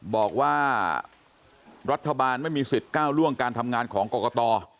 บอกว่ารัฐบาลไม่มีสิทธิ์ก้าวล่วงการทำงานของกรกต